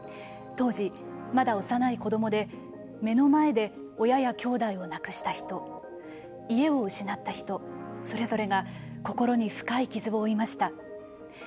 当時まだ幼い子どもで目の前で親やきょうだいを亡くした人家を失った人それぞれが心に深い傷を負いました。